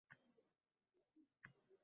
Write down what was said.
“Ulli hovli” sayyohlarni chorlaydi